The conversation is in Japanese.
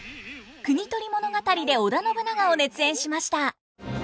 「国盗り物語」で織田信長を熱演しました。